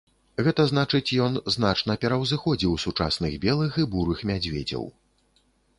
Гэта значыць ён значна пераўзыходзіў сучасных белых і бурых мядзведзяў.